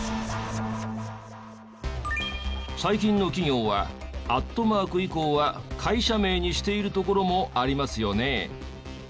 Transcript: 最近の企業はアットマーク以降は会社名にしているところもありますよね。